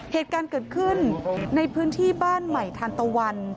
เหตุการณ์เกิดขึ้นในพื้นที่บ้านใหม่ทานตะวัน